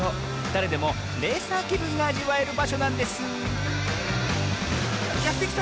だれでもレーサーきぶんがあじわえるばしょなんですやってきたわ！